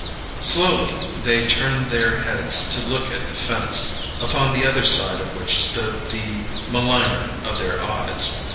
Slowly they turned their heads to look at the fence, upon the other side of which stood the maligner of their eyes.